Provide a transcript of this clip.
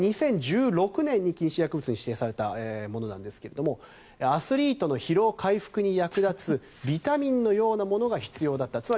２０１６年に禁止薬物に指定されたものなんですがアスリートの疲労回復に役立つビタミンのようなものが必要だった。